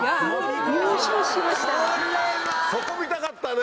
そこ見たかったね！